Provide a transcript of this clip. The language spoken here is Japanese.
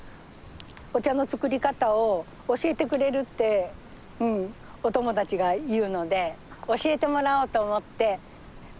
お茶の作り方を教えてくれるってお友達が言うので教えてもらおうと思って摘んで持ってこう思うて。